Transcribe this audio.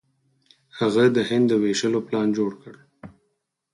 هغه د هند د ویشلو پلان جوړ کړ.